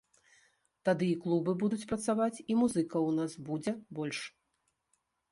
Тады і клубы будуць працаваць, і музыкаў у нас будзе больш.